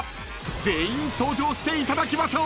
［全員登場していただきましょう］